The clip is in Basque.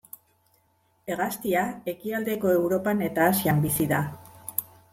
Hegaztia ekialdeko Europan eta Asian bizi da.